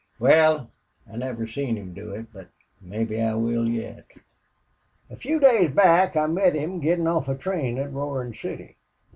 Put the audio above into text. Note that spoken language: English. Wal, I never seen him do it, but mebbe I will yet. "A few days back I met him gettin' off a train at Roarin' City.